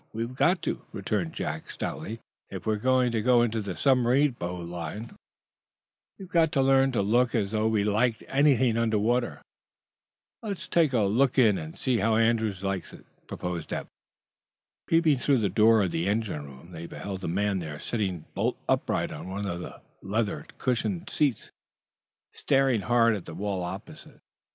"We've got to," returned Jack, stoutly. "If we're to go into the submarine boat line we've got to learn to look as though we liked anything under water." "Let's take a look in and see how Andrews likes it," proposed Eph. Peeping through the door of the engine room they beheld the man there sitting bolt upright on one of the leather cushioned seats, staring hard at the wall opposite.